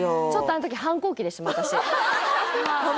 あの時反抗期でしたもん